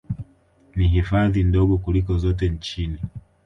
Ni hifadhi ndogo kuliko zote nchini